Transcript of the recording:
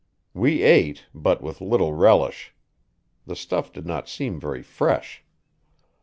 We ate, but with little relish. The stuff did not seem very fresh.